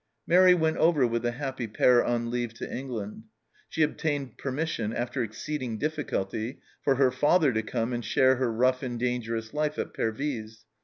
Mairi went over with the happy pair on leave to England. She obtained permission, after exceeding difficulty, for her father to come and share her rough and dangerous life at Pervyse.